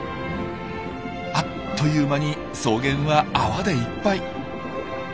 あっという間に草原は泡でいっぱい。